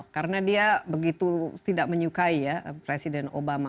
karena dia begitu tidak menyukai ya presiden obama